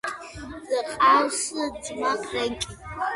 ჰყავს ძმა ფრენკი.